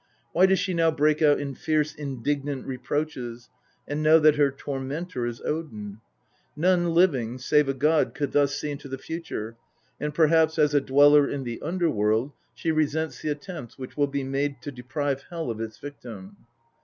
Why does she now break out in fierce indignant reproaches, and know that her tormentor is Odin ? None living save a god could thus see into the future, and perhaps as a dweller in the underworld she resents the attempt which will be made to deprive Hel of its victim.